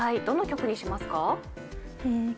どの曲にしますか？